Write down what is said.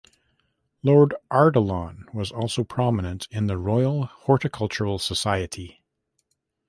Lord Ardilaun was also prominent in the Royal Horticultural Society.